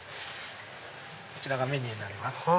こちらがメニューになります。